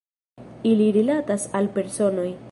Ili rilatas al personoj.